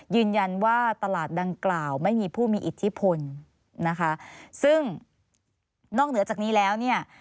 ยืนยันว่าตลาดดังกล่าวไม่มีผู้มีอิทธิพลนะคะซึ่งนอกเหนือจากนี้แล้วเนี่ย